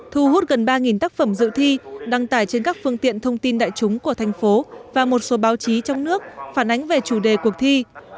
thu hút gần ba tác phẩm dự thi đăng tải trên các phương tiện thông tin đại chúng của thành phố và một số báo chí trong nước phản ánh về chủ đề cuộc thi